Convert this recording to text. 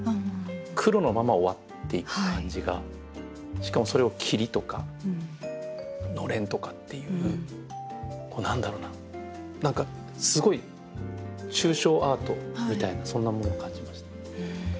しかもそれを「霧」とか「のれん」とかっていう何だろうな何かすごい抽象アートみたいなそんなものを感じました。